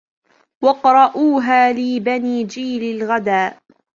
واقرأوها لبني الجيل غدا